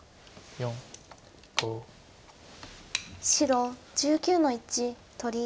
白１９の一取り。